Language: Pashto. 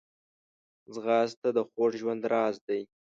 ځغاسته د خوږ ژوند راز دی